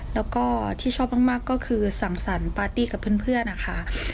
แล้วก็ที่ชอบมากก็คือสั่งสรรค์ปาร์ตี้กับเพื่อนนะคะ